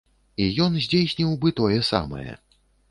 І ён здзейсніў бы тое самае.